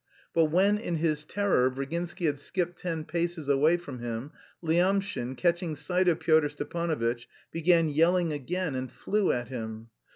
But when, in his terror, Virginsky had skipped ten paces away from him, Lyamshin, catching sight of Pyotr Stepanovitch, began yelling again and flew at him.